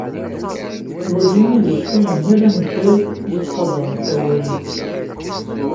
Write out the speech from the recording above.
D wagi i d iswi n yal amejjay i yettqadaren tawuri-ines.